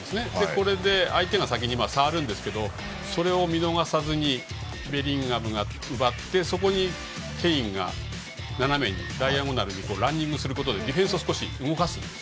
これで相手が先に触るんですけどそれを見逃さずベリンガムが奪ってそこにケインが斜めに、ダイアゴナルにランニングすることでディフェンスを少し動かす。